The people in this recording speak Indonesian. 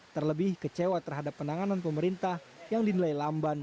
terlebih kecewa terhadap penanganan pemerintah yang dinilai lamban